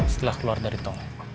setelah keluar dari tol